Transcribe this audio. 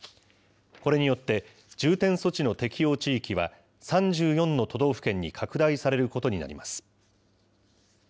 これによって、重点措置の適用地域は、３４の都道府県に拡大されることになります。